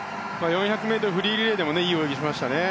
４００ｍフリーリレーでもいい泳ぎをしましたね。